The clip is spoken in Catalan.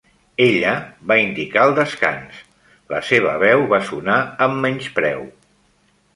Ella va indicar el descans; la seva veu va sonar amb menyspreu.